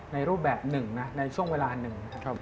รูปแบบหนึ่งนะในช่วงเวลาหนึ่งนะครับ